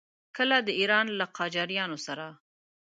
کله د ایران له قاجاریانو سره.